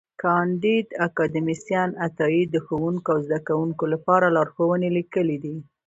کانديد اکاډميسن عطایي د ښوونکو او زدهکوونکو لپاره لارښوونې لیکلې دي.